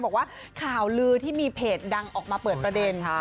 บอกว่าข่าวลือที่มีเพจดังออกมาเปิดประเด็น